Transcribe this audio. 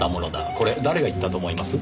これ誰が言ったと思います？